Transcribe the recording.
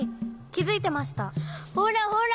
ほらほら！